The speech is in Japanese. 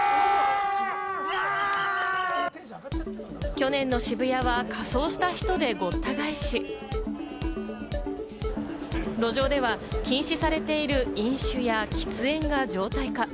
去年の渋谷は仮装した人でごった返し、路上では禁止されている、飲酒や喫煙が常態化。